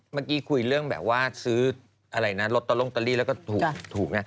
เมื่อกี้คุยเรื่องแบบว่าซื้ออะไรนะลอตเตอรี่แล้วก็ถูกนะ